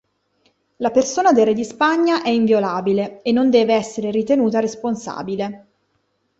La persona del re di Spagna è inviolabile e non deve essere ritenuta responsabile.